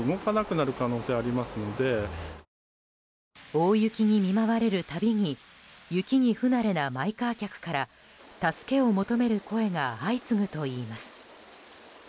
大雪に見舞われるたびに雪に不慣れなマイカー客から助けを求める声が相次ぐといいます。